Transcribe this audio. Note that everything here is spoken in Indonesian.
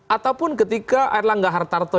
ataupun ketika erlangga hartarto